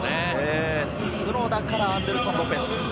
角田からアンデルソン・ロペス。